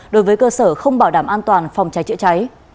đối với cơ sở không bảo đảm an toàn phòng cháy chữa cháy